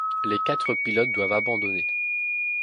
Les quatre pilotes doivent abandonner.